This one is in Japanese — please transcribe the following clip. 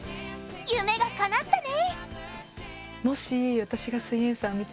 夢がかなったね！